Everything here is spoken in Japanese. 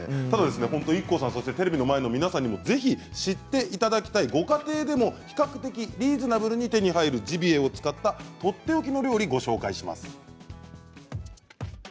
ただＩＫＫＯさんテレビの前の皆さんにもぜひ知っていただきたいご家庭でも比較的リーズナブルに手に入るジビエを使ったとっておきの料理をご紹介します。